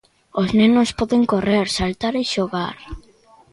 Os nenos poden correr, saltar, e xogar.